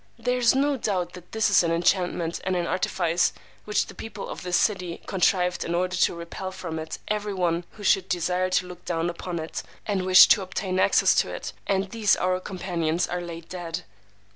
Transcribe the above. There is no doubt that this is an enchantment and an artifice which the people of this city contrived in order to repel from it every one who should desire to look down upon it, and wish to obtain access to it; and these our companions are laid dead.